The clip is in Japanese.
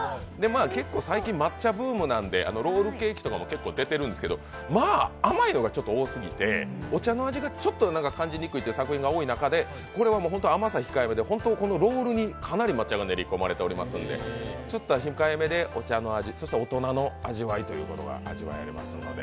結構、最近、抹茶ブームなのでロールケーキとかも出てるんですけど甘いのがちょっと多すぎてお茶の味がちょっと感じにくいっていう作品が多い中でこれは甘さ控えめで、ホントこのロールにかなり抹茶が練り込まれていますので、ちょっと甘さ控えめでそして大人の味わいが味わえますので。